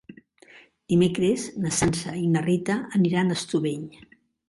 Dimecres na Sança i na Rita aniran a Estubeny.